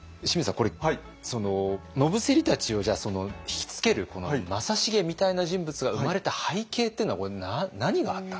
これ野伏たちをひきつける正成みたいな人物が生まれた背景っていうのはこれ何があったんですか？